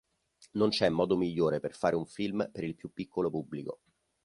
Non c'è modo migliore per fare un film per il più piccolo pubblico".